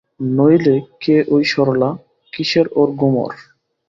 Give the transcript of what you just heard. নইলে কে ঐ সরলা, কিসের ওর গুমর।